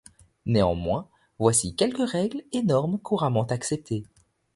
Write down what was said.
Néanmoins, voici quelques règles et normes couramment acceptées.